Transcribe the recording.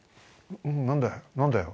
「何だよ？